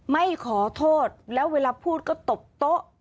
ไม่ขอโทษแล้วเวลาพูดก็ตบโต๊ะ